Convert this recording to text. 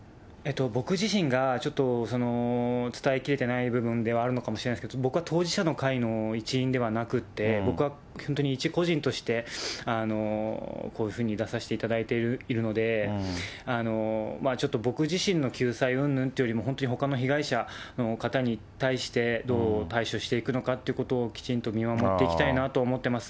僕自身が、伝えきれてない部分でもあると思うんですけれども、僕は当事者の会の一員ではなくて、僕は本当に一個人として、こういうふうに出させていただいているので、ちょっと僕自身の救済うんぬんというより本当にほかの被害者の方に対して、どう対処していくのかということをきちんと見守っていきたいなと思ってます。